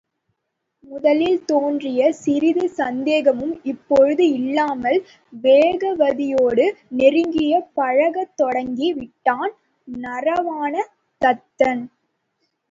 முதலில் தோன்றிய சிறிது சந்தேகமும் இப்போது இல்லாமல் வேகவதியோடு நெருங்கிப் பழகத் தொடங்கி விட்டான் நரவாண தத்தன்.